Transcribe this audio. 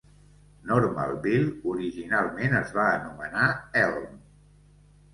Normalville originalment es va anomenar "Elm".